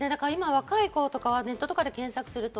若い子とかはネットとかで検索すると。